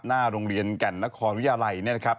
หน้าโรงเรียนแก่นนครวิทยาลัยเนี่ยนะครับ